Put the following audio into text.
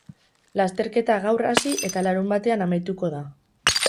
Lasterketa gaur hasi, eta larunbatean amaituko da.